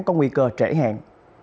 có nguy cơ trễ hạn